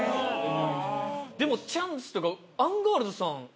でもチャンスというかアンガールズさん。